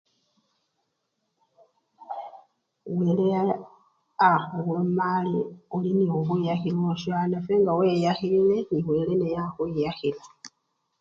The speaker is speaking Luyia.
Wele akhuloma ari ori nekhukhwiyakhila owasho ari nenafwe ngaweyakhile ne wele naye akhwiyakhila.